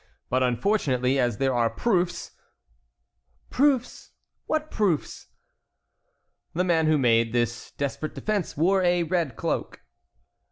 But unfortunately as there are proofs"— "Proofs! what proofs?" "The man who made this desperate defence wore a red cloak."